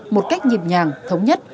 một cách nhịp nhàng thống nhất